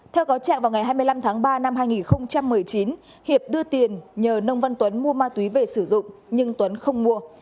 theo cáo trạng vào ngày hai mươi năm tháng ba năm hai nghìn một mươi chín hiệp đưa tiền nhờ nông văn tuấn mua ma túy về sử dụng nhưng tuấn không mua